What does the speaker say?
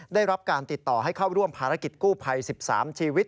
ได้รับการติดต่อให้เข้าร่วมภารกิจกู้ภัย๑๓ชีวิต